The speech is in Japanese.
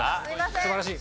素晴らしい。